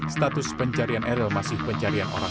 status pencarian eril masih pencarian orang